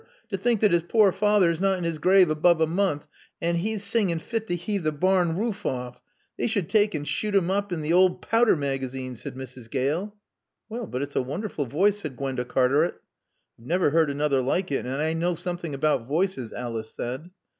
T' think that 'is poor feyther's not in 'is graave aboove a moonth, an' 'e singin' fit t' eave barn roof off! They should tak' an' shoot 'im oop in t' owd powder magazine," said Mrs. Gale. "Well but it's a wonderful voice," said Gwenda Cartaret. "I've never heard another like it, and I know something about voices," Alice said.